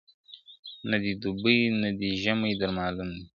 نه دي دوبی نه دي ژمی در معلوم دی `